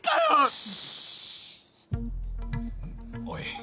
おい。